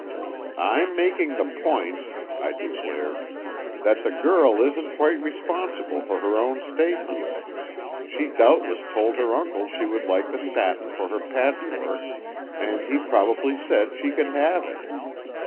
"I'm making the point," I declared, "that the girl isn't quite responsible for her own statements; she doubtless told her uncle she would like the satin for her patchwork and he probably said she could have it.